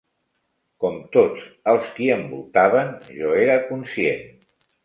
Com tots els qui em voltaven, jo era conscient